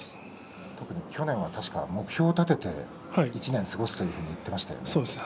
特に去年は目標を立てて１年過ごすと言っていましたよね。